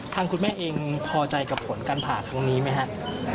คุณแม่เองพอใจกับผลการผ่าครั้งนี้ไหมครับ